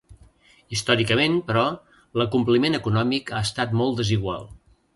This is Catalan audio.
Històricament, però, l'acompliment econòmic ha estat molt desigual.